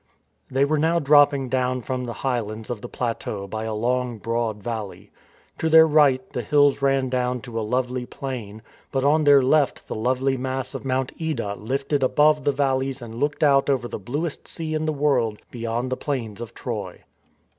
They were now dropping down from the highlands of the plateau by a long, broad valley. To their right the hills ran down to a lovely plain, but on their left the lovely mass of Mount Ida lifted above the valleys and looked out over the bluest sea in the world be yond the plains of Troy.